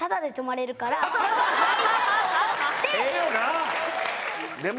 ええよな！